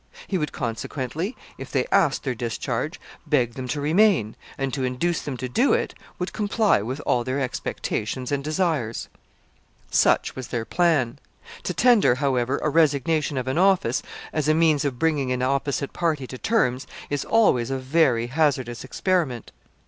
He would, consequently, if they asked their discharge, beg them to remain, and, to induce them to do it, would comply with all their expectations and desires. Such was their plan. To tender, however, a resignation of an office as a means of bringing an opposite party to terms, is always a very hazardous experiment.